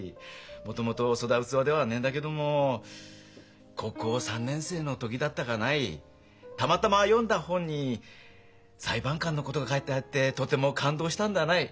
もともとそだ器ではねえんだけども高校３年生の時だったかないたまたま読んだ本に裁判官のことが書いてあってとても感動したんだない。